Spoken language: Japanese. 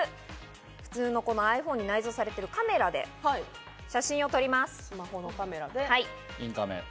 ｉＰｈｏｎｅに内蔵されているカメラで写真を撮ります。